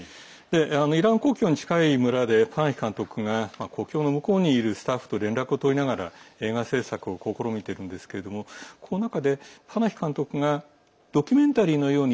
イラン国境に近い村でパナヒ監督が国境の向こうにいるスタッフと連絡を取りながら映画制作を試みてるんですけれどこの中でパナヒ監督がドキュメンタリーのように